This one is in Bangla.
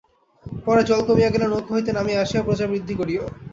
পরে জল কমিয়া গেলে নৌকা হইতে নামিয়া আসিয়া প্রজাবৃদ্ধি করিও।